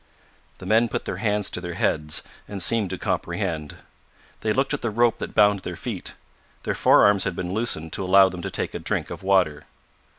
The men put their hands to their heads, and seemed to comprehend. They looked at the rope that bound their feet. Their forearms had been loosened to allow them to take a drink of water.